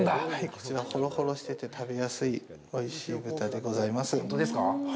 こちらほろほろしてて、食べやすいおいしい豚でございます。